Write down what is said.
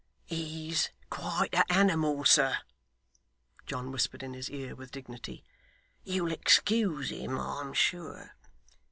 'He's quite a animal, sir,' John whispered in his ear with dignity. 'You'll excuse him, I'm sure.